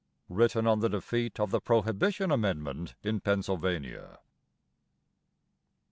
(WRITTEN ON THE DEFEAT OF THE PROHIBITION AMENDMENT IN PENNSYLVANIA.)